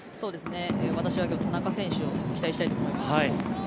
私は田中選手に期待したいと思います。